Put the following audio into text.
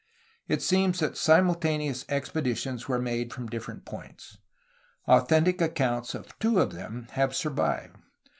It seems that simultaneous expeditions were made from different points. Authentic accounts of two of them have survived.